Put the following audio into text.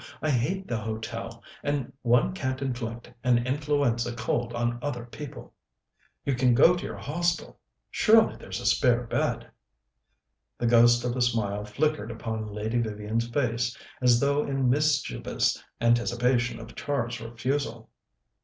I hate the hotel, and one can't inflict an influenza cold on other people." "You can go to your Hostel. Surely there's a spare bed?" The ghost of a smile flickered upon Lady Vivian's face, as though in mischievous anticipation of Char's refusal.